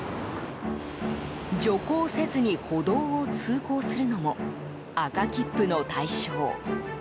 徐行せずに歩道を通行するのも赤切符の対象。